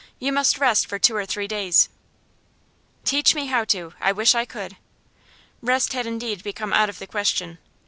You must rest for two or three days.' 'Teach me how to. I wish I could.' Rest had indeed become out of the question.